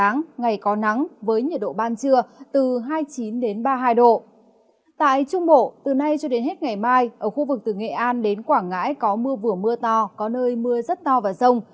nghệ an đến quảng ngãi có mưa vừa mưa to có nơi mưa rất to và rông